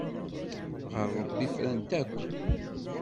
Ɣer Ṛebbi frant akk.